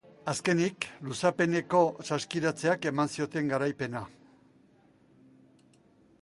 Azkenik, luzapeneko saskiratzeek eman zioten garaipena.